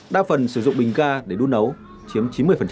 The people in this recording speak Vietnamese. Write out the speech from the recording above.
đa phần sử dụng bình ga để đun nấu chiếm chín mươi